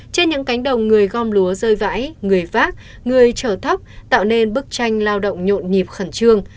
trên những cánh đồng người gom lúa rơi vãi người vác người chở thóc tạo nên bức tranh lao động nhộn nhịp khẩn trương